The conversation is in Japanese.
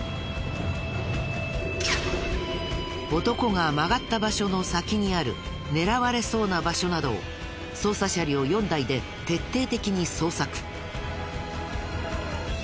男が曲がった場所の先にある狙われそうな場所などを捜査車両４台で徹底的に捜索。